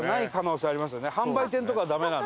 販売店とかはダメなんで。